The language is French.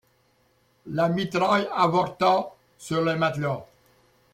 La mitraille avorta sur le matelas.